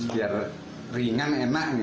biar ringan enak